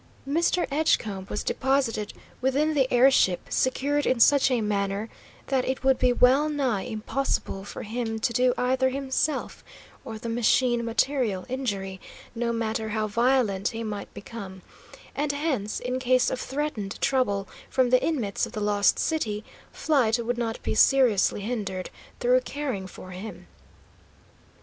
Mr. Edgecombe was deposited within the air ship, secured in such a manner that it would be well nigh impossible for him to do either himself or the machine material injury, no matter how violent he might become; and hence, in case of threatened trouble from the inmates of the Lost City, flight would not be seriously hindered through caring for him.